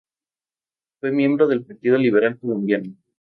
Fue miembro del Partido Liberal Colombiano.